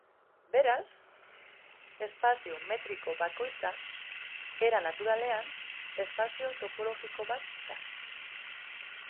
Beraz, espazio metriko bakoitza, era naturalean, espazio topologiko bat da.